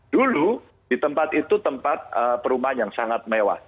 dulu di tempat itu tempat perumahan yang sangat mewah